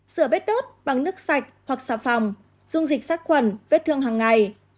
sửa vết đốt bằng nước sạch hoặc xạ phòng dùng dịch sát quẩn vết thương hằng ngày